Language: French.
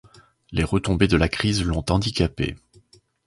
Les retombées de la crise l'ont handicapée.